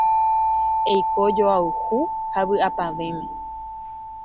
Eiko joayhu ha vy'apavẽme.